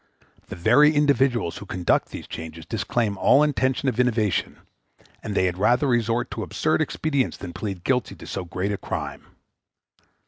The very individuals who conduct these changes disclaim all intention of innovation, and they had rather resort to absurd expedients than plead guilty to so great a crime.